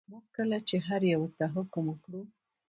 موږ کله چې هر یوه ته حکم وکړو.